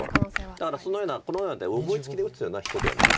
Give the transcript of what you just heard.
そうそうだからこのような手を思いつきで打つような人ではなくて。